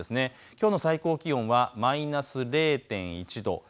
きょうの最高気温はマイナス０．１度。